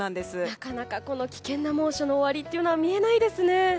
なかなかこの危険な猛暑の終わりが見えないですね。